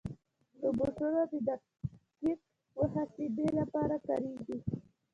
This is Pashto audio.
روبوټونه د دقیق محاسبې لپاره کارېږي.